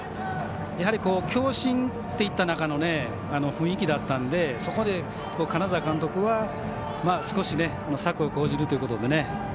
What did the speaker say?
やはり強振でいった中の雰囲気だったんでそこで金沢監督は少し策を講じるということでね。